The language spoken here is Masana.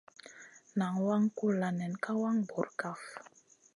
Nan waŋ kulla nen ka wang bura kaf.